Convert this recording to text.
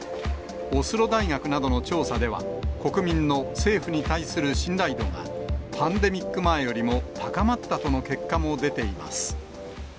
オスロ大学などの調査では、国民の政府に対する信頼度が、パンデミック前よりも高まったとの結果も出ています。